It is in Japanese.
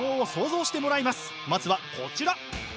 まずはこちら！